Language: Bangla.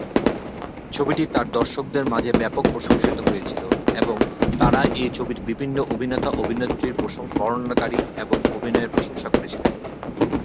ছবিটি তার দর্শকদের মাঝে ব্যপক প্রশংসিত হয়েছিল, এবং তারা এই ছবির বিভিন্ন অভিনেতা-অভিনেত্রীর বর্ণনাকারী এবং অভিনয়ের প্রশংসা করেছিলেন।